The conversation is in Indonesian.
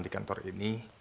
di kantor ini